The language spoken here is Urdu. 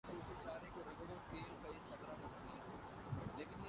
اس بہار میں کلیاں ہی نہیں، چہرے بھی کھل اٹھے ہیں۔